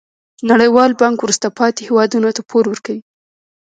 نړیوال بانک وروسته پاتې هیوادونو ته پور ورکوي.